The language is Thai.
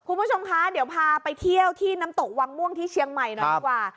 คุณผู้ชมคะเดี๋ยวพาไปเที่ยวที่น้ำตกวังม่วงที่เชียงใหม่หน่อยดีกว่า